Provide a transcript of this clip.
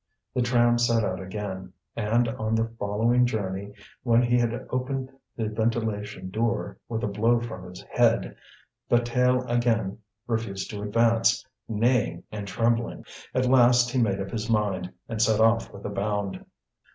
The tram set out again. And, on the following journey, when he had opened the ventilation door with a blow from his head, Bataille again refused to advance, neighing and trembling. At last he made up his mind, and set off with a bound.